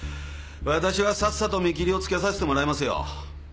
私はさっさと見切りをつけさせてもらいますよ。